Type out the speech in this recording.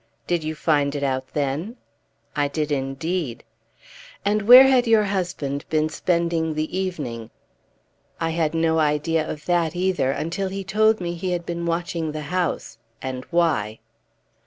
"Did you find it out then?" "I did, indeed!" "And where had your husband been spending the evening?" "I had no idea of that either until he told me he had been watching the house and why!"